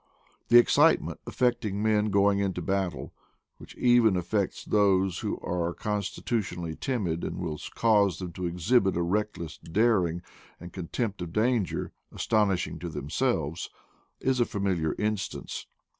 The excitement affecting men going into battle, which even affects those who are consti tutionally timid and will cause them to exhibit a reckless daring and contempt of danger astonish ing to themselves, is a familiar instance.